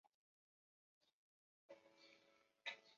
Pronto fue degradado a capitán por asuntos internos del mando de Barrayar.